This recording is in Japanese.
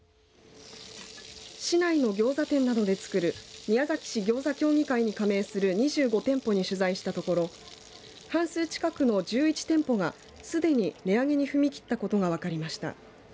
市内のギョーザ店などで作る宮崎市ぎょうざ協議会に加盟する２５店舗へ取材したところ半数近くの１１店舗がすでに値上げに踏み切ったことが分かりました。